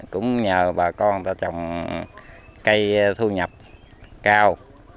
cũng nhờ bà con ta trồng cây thu nhập cao